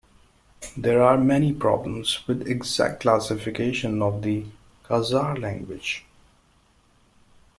There are many problems with exact classification of the Khazar language.